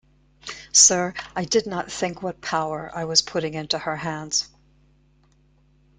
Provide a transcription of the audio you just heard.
Sir, I did not think what power I was putting into her hands.